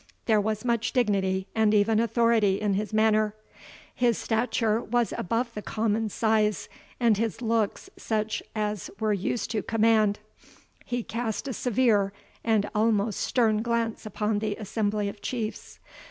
There was much dignity, and even authority, in his manner. His stature was above the common size, and his looks such as were used to command. He cast a severe, and almost stern glance upon the assembly of Chiefs.